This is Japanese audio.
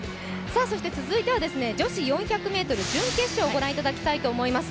続いては女子４００ｍ準決勝をご覧いただきたいと思います。